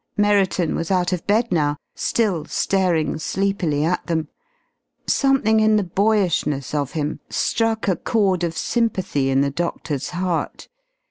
Merriton was out of bed now, still staring sleepily at them. Something in the boyishness of him struck a chord of sympathy in the doctor's heart.